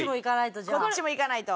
こっちもいかないと。